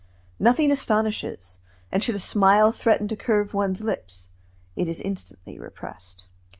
Nothing astonishes; and should a smile threaten to curve one's lips, it is instantly repressed.